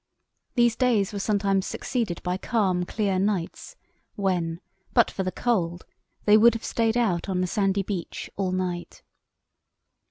These days were sometimes succeeded by calm, clear nights, when, but for the cold, they would have stayed out on the sandy beach all night.